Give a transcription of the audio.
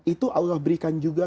itu allah berikan juga